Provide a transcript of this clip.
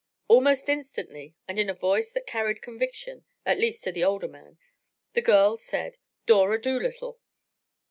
Almost instantly and in a voice that carried conviction, at least to the older man, the girl said: "Dora Dolittle."